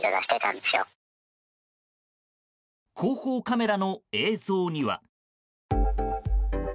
後方カメラの映像には。